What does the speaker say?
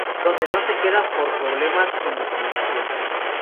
Donde no se queda por problemas con documentación.